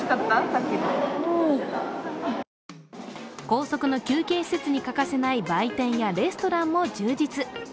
高速の休憩施設に欠かせない売店やレストランも充実。